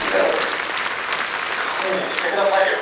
勘弁してくださいよ。